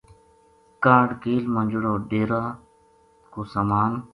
کاہڈھ کیل ما جہڑو ڈیرا کو سامان